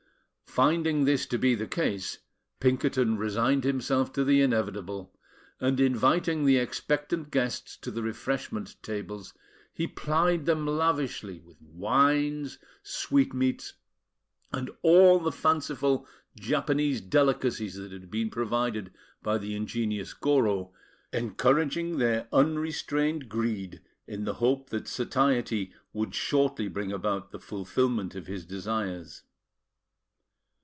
Finding this to be the case, Pinkerton resigned himself to the inevitable; and, inviting the expectant guests to the refreshment tables, he plied them lavishly with wines, sweetmeats, and all the fanciful Japanese delicacies that had been provided by the ingenious Goro, encouraging their unrestrained greed in the hope that satiety would shortly bring about the fulfilment of his desires.